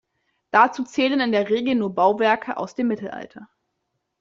Dazu zählen in der Regel nur Bauwerke aus dem Mittelalter.